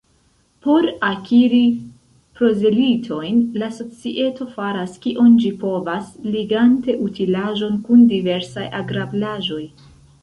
Por akiri prozelitojn, la societo faras, kion ĝi povas, ligante utilaĵon kun diversaj agrablaĵoj.